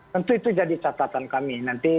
tentu itu jadi catatan kami